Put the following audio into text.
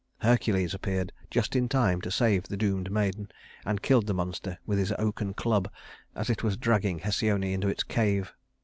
Hercules appeared just in time to save the doomed maiden, and killed the monster with his oaken club as it was dragging Hesione into its cave.